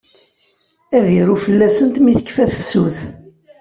Ad iru fell-asent mi tekfa tefsut.